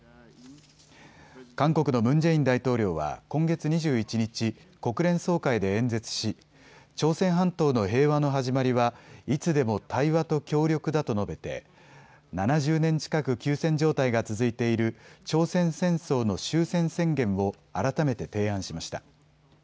韓国のムン・ジェイン大統領は今月２１日、国連総会で演説し朝鮮半島の平和の始まりはいつでも対話と協力だと述べて７０年近く休戦状態が続いている朝鮮戦争の終戦宣言を改めて提案しました。